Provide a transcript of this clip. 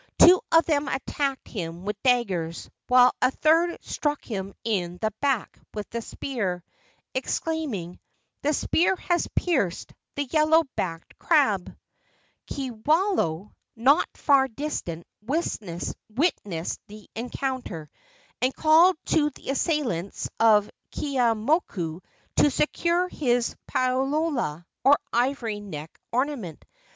Two of them attacked him with daggers, while a third struck him in the back with a spear, exclaiming, "The spear has pierced the yellow backed crab!" Kiwalao, not far distant, witnessed the encounter, and called to the assailants of Keeaumoku to secure his palaoa, or ivory neck ornament.